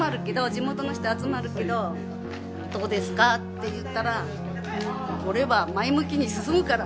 「地元の人集まるけどどうですか？」って言ったら「俺は前向きに進むから」